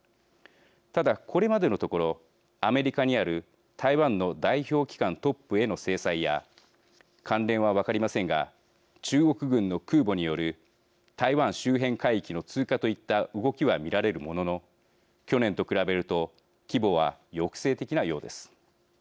ただこれまでのところアメリカにある台湾の代表機関トップへの制裁や関連は分かりませんが中国軍の空母による台湾周辺海域の通過といった動きは見られるものの去年と比べると規模は抑制的なようです。